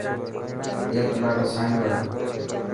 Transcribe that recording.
اي پلاٽ اسانيو هي.